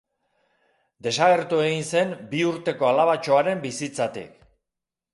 Desagertu egin zen bi urteko alabatxoaren bizitzatik.